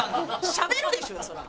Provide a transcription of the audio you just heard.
しゃべるでしょそりゃ。